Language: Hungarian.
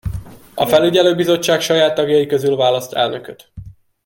A felügyelőbizottság saját tagjai közül választ elnököt.